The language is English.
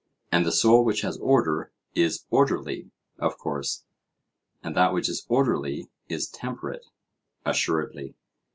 And the soul which has order is orderly? Of course. And that which is orderly is temperate? Assuredly.